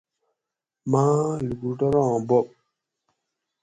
ماں لُوکوٹوراں بوب